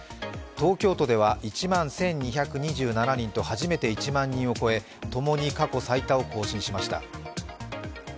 東京都では、１万１２２７人と初めて１万人を超えともに過去最多を更新しました。